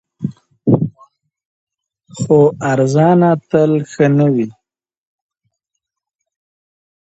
خو ارزانه تل ښه نه وي.